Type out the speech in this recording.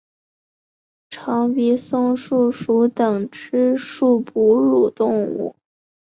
长鼻松鼠属等之数种哺乳动物。